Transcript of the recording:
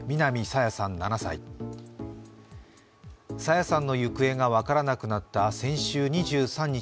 朝芽さんの行方が分からなくなった先週２３日